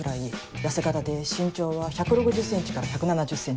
痩せ形で身長は１６０ｃｍから１７０ｃｍ。